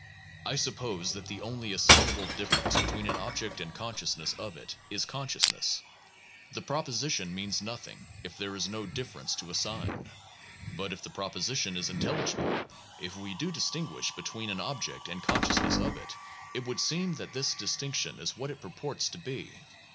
I suppose that the only assignable difference between an object and consciousness of it is consciousness. The proposition means nothing, if there is no difference to assign. But if the proposition is intelligible, if we do distinguish between an object and consciousness of it, it would seem that this dis tinction is what it purports to be.